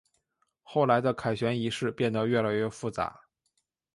后来的凯旋仪式变得越来越复杂。